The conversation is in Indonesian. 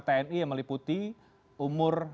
tni yang meliputi umur